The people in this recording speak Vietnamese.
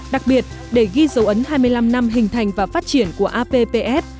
đặc biệt để ghi dấu ấn hai mươi năm năm hình thành và phát triển của appf